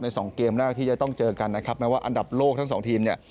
สองเกมแรกที่จะต้องเจอกันนะครับแม้ว่าอันดับโลกทั้งสองทีมเนี่ย